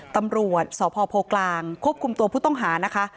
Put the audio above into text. ตำรวจสพโพกลางควบคุมตัวผู้ต้องหานะคะ